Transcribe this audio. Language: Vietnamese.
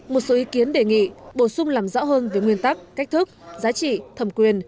một số ý kiến đề nghị bổ sung làm rõ hơn về nguyên tắc cách thức giá trị thẩm quyền